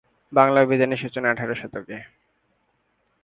বাংলা অভিধানের সূচনা আঠারো শতকে।